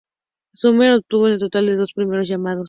Sumner obtuvo un total de dos primeros llamados.